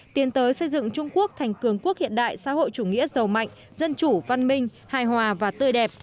tiến tới xây dựng trung quốc thành cường quốc hiện đại xã hội chủ nghĩa giàu mạnh dân chủ văn minh hài hòa và tươi đẹp